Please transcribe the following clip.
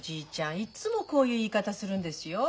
いつもこういう言い方するんですよ。